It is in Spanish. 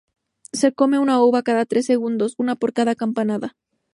Se come una uva cada tres segundos, una por cada campanada.